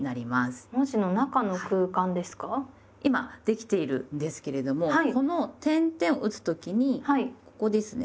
今できているんですけれどもこの点々を打つ時にここですね。